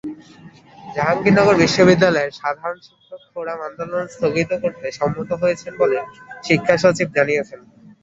জাহাঙ্গীরনগর বিশ্ববিদ্যালয়ে সাধারণ শিক্ষক ফোরাম আন্দোলন স্থগিত করতে সম্মত হয়েছে বলে শিক্ষাসচিব জানিয়েছেন।